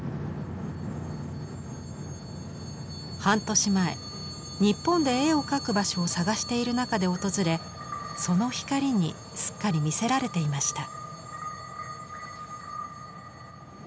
半年前日本で絵を描く場所を探している中で訪れその光にすっかり魅せられていました。